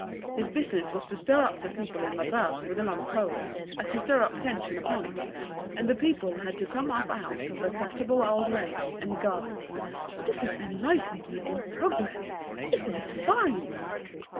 His business was to stir up the people in Madras with a long pole as you stir up tench in a pond and the people had to come up out of their comfortable old ways and gasp 'This is Enlightenment and Progress. Isn't it fine!'